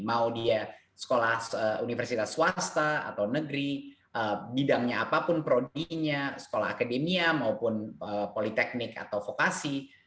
mau dia sekolah universitas swasta atau negeri bidangnya apapun prodinya sekolah akademia maupun politeknik atau vokasi